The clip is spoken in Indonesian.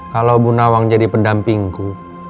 kalau bu nawang jadi pendampingku